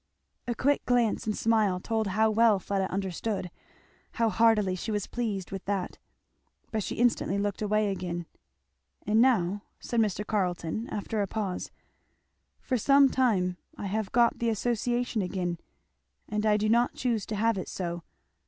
A quick glance and smile told how well Fleda understood, how heartily she was pleased with that. But she instantly looked away again. "And now," said Mr. Carleton after a pause, "for some time past, I have got the association again; and I do not choose to have it so.